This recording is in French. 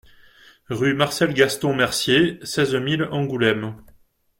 Rue Marcel Gaston Mercier, seize mille Angoulême